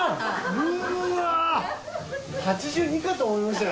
うわ８２かと思いましたよ